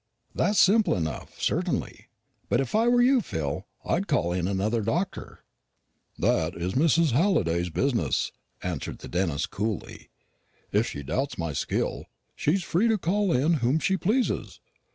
"That's simple enough, certainly. But if I were you, Phil, I'd call in another doctor." "That is Mrs. Halliday's business," answered the dentist coolly; "if she doubts my skill, she is free to call in whom she pleases.